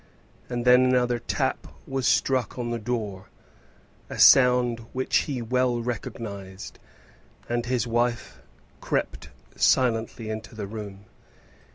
And then another tap was struck on the door, a sound which he well recognized, and his wife crept silently into the room.